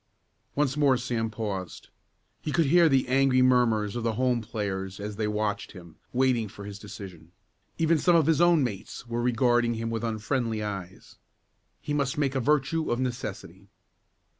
Once more Sam paused. He could hear the angry murmurs of the home players as they watched him, waiting for his decision. Even some of his own mates were regarding him with unfriendly eyes. He must make a virtue of necessity.